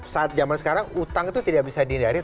saat zaman sekarang utang itu tidak bisa dihindari